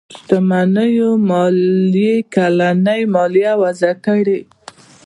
شتمنيو ماليې کلنۍ ماليه وضعه کړي.